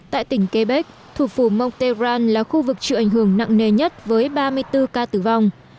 tại tỉnh quebec thủ phủ montégram là khu vực chịu ảnh hưởng nặng nề nhất với ba mươi bốn ca tử vong